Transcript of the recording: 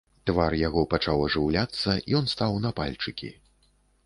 Твар яго пачаў ажыўляцца, ён стаў на пальчыкі.